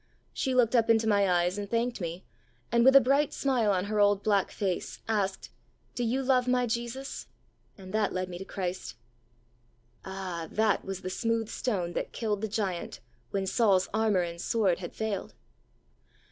She looked up into my eyes and thanked me, and, with a bright smile on her old black face, asked, ' Do you love my Jesus? ^ and that led me to Christ.*' Ah, that was the smooth stone that killed the giant when Saul's armour and sword had failed